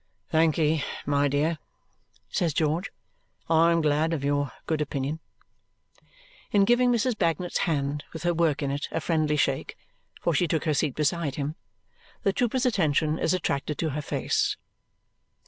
"Thankee, my dear!" says George. "I am glad of your good opinion." In giving Mrs. Bagnet's hand, with her work in it, a friendly shake for she took her seat beside him the trooper's attention is attracted to her face.